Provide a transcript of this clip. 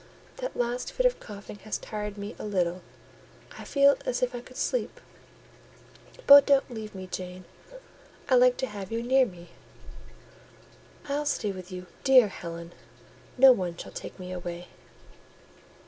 That last fit of coughing has tired me a little; I feel as if I could sleep: but don't leave me, Jane; I like to have you near me." "I'll stay with you, dear Helen: no one shall take me away."